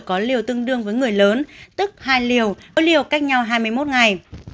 có liều tương đương với người lớn tức hai liều có liều cách nhau hai mươi một ngày